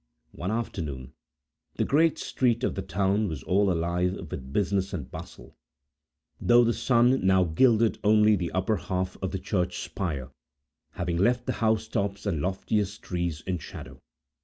One afternoon, the great street of the town was all alive with business and bustle, though the sun now gilded only the upper half of the church spire, having left the housetops and loftiest trees in shadow.